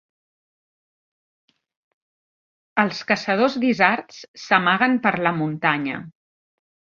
Els caçadors d'isards s'amaguen per la muntanya.